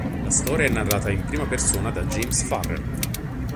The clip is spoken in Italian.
La storia è narrata in prima persona da James Farrell.